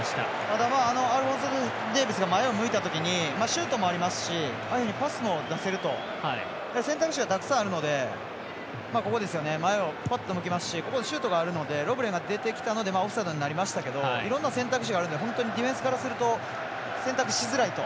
アルフォンソ・デイビスが前を向いたときにシュートもありますしああいうふうにパスも出せると選択肢がたくさんあるので前をぽっと向けますしここでシュートがあるのでロブレンが出てきたのでオフサイドにはなりましたがいろんな選択肢があるので本当にディフェンスからすると選択しづらいと。